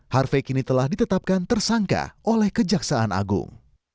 harvey kini telah ditetapkan tersangka oleh kejaksaan agung